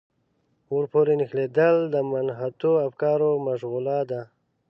ورپورې نښلېدل د منحطو افکارو مشغولا ده.